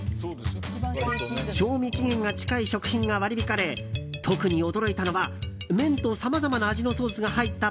賞味期限が近い食品が割り引かれ特に驚いたのは、麺とさまざまな味のソースが入った